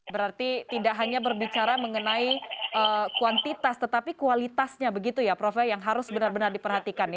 berarti tidak hanya berbicara mengenai kuantitas tetapi kualitasnya begitu ya prof ya yang harus benar benar diperhatikan